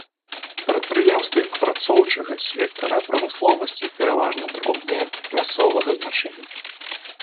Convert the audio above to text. Прадпрыемствы апрацоўчага сектара прамысловасці пераважна дробныя, мясцовага значэння.